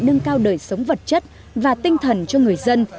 nâng cao đời sống vật chất và tinh thần cho người dân